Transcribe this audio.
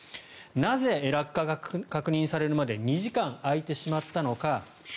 なぜ、落下が確認されるまで２時間空いてしまったのか。